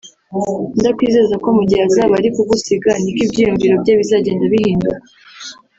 ndakwizeza ko mu gihe azaba ari kugusiga niko ibyiyumviro bye bizagenda bihinduka